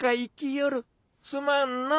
すまんの。